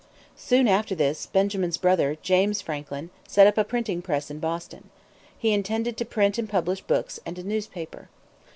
Soon after this, Benjamin's brother, James Franklin, set up a printing press in Boston. He intended to print and publish books and a newspaper.